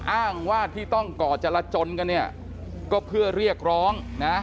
อ้างว่าที่ต้องก่อจรจนกันเนี่ยก็เพื่อเรียกร้องนะ